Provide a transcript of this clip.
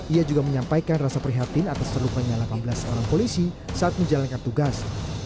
ia juga menyampaikan rasa prihatin atas terlupanya delapan belas orang polisi saat menjalankan tugas